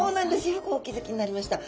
よくお気づきになりました。